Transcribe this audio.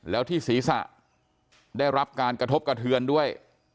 แล้วที่ศีรษะได้รับการกระทบกระเทือนด้วย